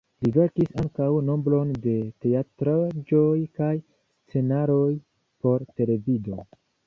Li verkis ankaŭ nombron de teatraĵoj kaj scenaroj por televido.